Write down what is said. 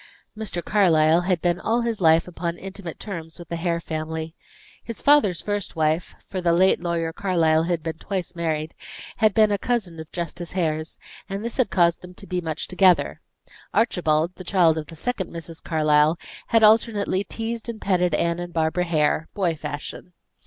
Mr. Carlyle had been all his life upon intimate terms with the Hare family. His father's first wife for the late lawyer Carlyle had been twice married had been a cousin of Justice Hare's, and this had caused them to be much together. Archibald, the child of the second Mrs. Carlyle, had alternately teased and petted Anne and Barbara Hare, boy fashion.